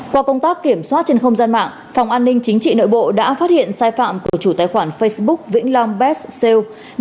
qua công tác kiểm soát trên không gian mạng phòng an ninh chính trị nội bộ đã phát hiện sai phạm của chủ tài khoản facebook vĩnh long bes sale